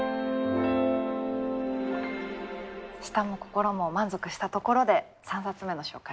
舌も心も満足したところで３冊目の紹介